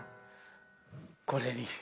これに。